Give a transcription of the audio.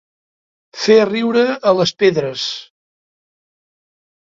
Fer riure a les pedres.